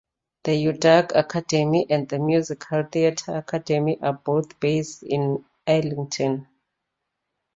The Urdang Academy and the Musical Theatre Academy are both based in Islington.